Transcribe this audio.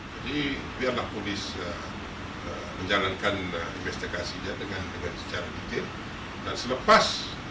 kalau didapati ada bukti bukti yang dia didapati ada terlibat